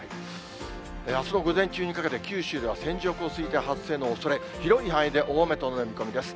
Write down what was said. あすの午前中にかけて、九州では線状降水帯発生のおそれ、広い範囲で大雨となる見込みです。